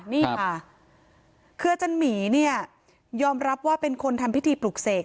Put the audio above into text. นี่ค่ะคืออาจารย์หมีเนี่ยยอมรับว่าเป็นคนทำพิธีปลุกเสก